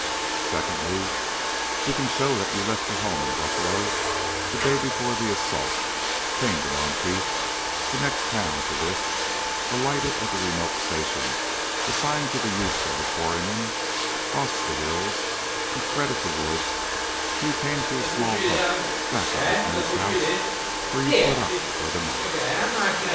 "Secondly, we can show that you left your home in Buffalo the day before the assault, came to Monteith, the next town to this, alighted at the remote station assigned to the use of the quarrymen, crossed the hills and threaded the woods till you came to a small hut back of your aunt's house, where you put up for the night.